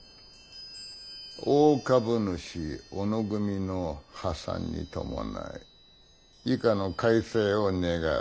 「大株主小野組の破産に伴い以下の改正を願う。